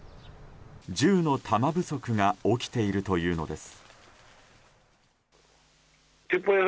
銃の弾不足が起きているというのです。